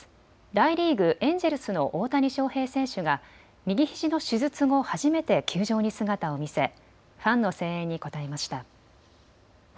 大リーグ、エンジェルスの大谷翔平選手が右ひじの手術後初めて球場に姿を見せファンの声援に応えました。